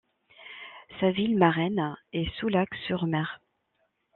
Sa ville marraine est Soulac-sur-Mer.